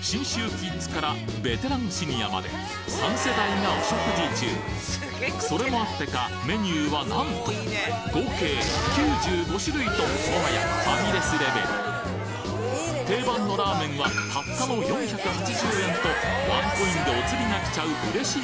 キッズからベテランシニアまで三世代がお食事中それもあってかメニューはなんと合計９５種類ともはやファミレスレベル定番のラーメンはたったの４８０円とワンコインでおつりがきちゃう嬉しい